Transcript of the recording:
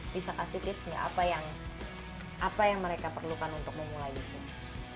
bisa kasih tips nggak apa yang mereka perlukan untuk memulai bisnis